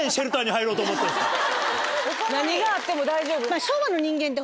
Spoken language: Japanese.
何があっても大丈夫。